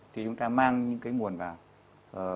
thì chúng ta mang những nguồn vào